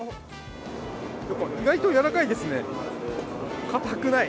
意外と柔らかいですね、かたくない。